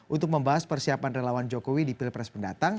untuk membahas persiapan relawan jokowi di pilpres mendatang